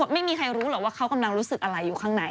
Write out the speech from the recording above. ไม่มีใครรู้หรอกว่าเขากำลังรู้สึกอะไรอยู่ข้างใน